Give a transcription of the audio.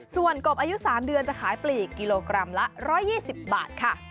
ส่วนกบอายุ๓เดือนจะขายปลีกกิโลกรัมละ๑๒๐บาทค่ะ